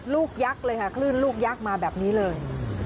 ยักษ์เลยค่ะคลื่นลูกยักษ์มาแบบนี้เลย